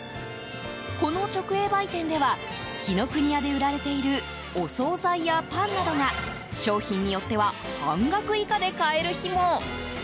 この直営売店では紀ノ國屋で売られているお総菜やパンなどが商品によっては半額以下で買える日も。